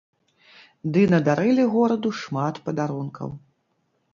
Ды надарылі гораду шмат падарункаў!